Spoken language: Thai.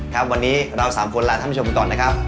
ครับวันนี้เรา๓คนลาท่านไปชมกันก่อนนะครับ